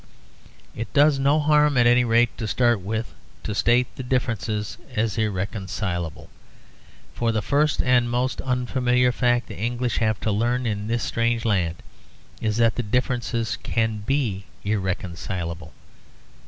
It does no harm, at any rate to start with, to state the differences as irreconcilable. For the first and most unfamiliar fact the English have to learn in this strange land is that differences can be irreconcilable.